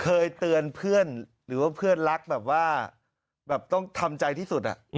เคยเตือนเพื่อนหรือว่าเพื่อนรักแบบว่าแบบต้องทำใจที่สุด